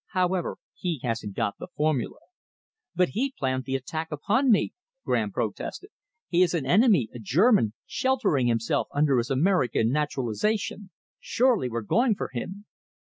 "However, he hasn't got the formula." "But he planned the attack upon me," Graham protested. "He is an enemy a German sheltering himself under his American naturalization. Surely we're going for him?"